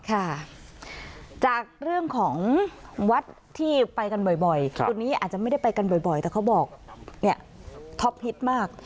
ค่ะจากเรื่องของวัดที่ไปกันบ่อยจุดนี้อาจจะไม่ได้ไปกันบ่อยแต่เขาบอกเนี่ยท็อปฮิตมาก